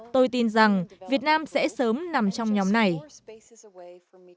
tôi tin rằng việt nam sẽ sớm nằm trong những vùng miền